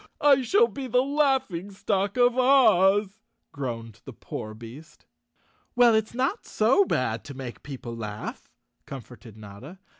I shall be the laughing stock of Oz," groaned the poor beast. "Well, it's not so bad to make people laugh," com¬ forted Notta.